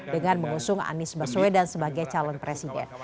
dengan mengusung anies baswedan sebagai calon presiden